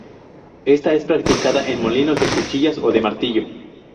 Esta es practicada en molinos de cuchillas o de martillo.